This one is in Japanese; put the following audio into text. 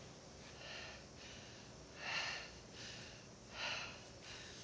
はあ。